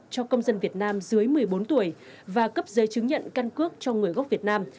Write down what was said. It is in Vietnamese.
cho công dân việt nam dưới một mươi bốn tuổi và cấp giấy chứng nhận căn cước cho người gốc việt nam